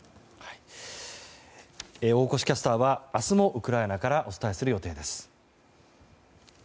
大越キャスターは明日もウクライナからお伝えする予定です。